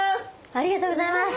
ありがとうございます。